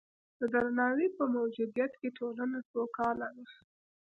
د درناوي په موجودیت کې ټولنه سوکاله ده.